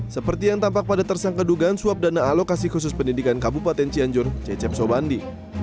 seperti yang tampak pada tersangka dugaan suap dana alokasi khusus pendidikan kabupaten cianjur cecep sobandi